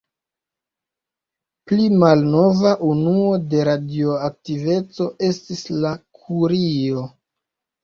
Pli malnova unuo de radioaktiveco estis la kurio.